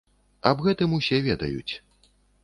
Аб гэтым усе ведаюць.